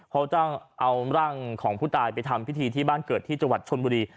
เขาต้องเอาร่างของผู้ตายไปทำพิธีที่บ้านเกิดที่จังหวัดชนบุรี